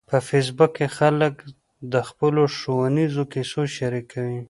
په فېسبوک کې خلک د خپلو ښوونیزو کیسو شریکوي